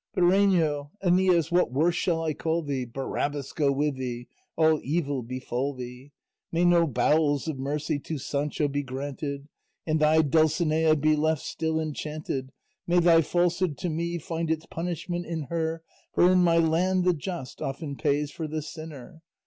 Bireno, Æneas, what worse shall I call thee? Barabbas go with thee! All evil befall thee! May no bowels of mercy To Sancho be granted, And thy Dulcinea Be left still enchanted, May thy falsehood to me Find its punishment in her, For in my land the just Often pays for the sinner.